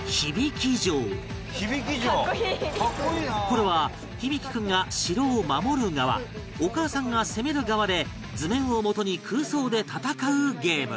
これは響大君が城を守る側お母さんが攻める側で図面をもとに空想で戦うゲーム